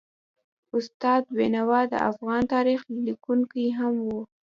استاد بینوا د افغان تاریخ لیکونکی هم و.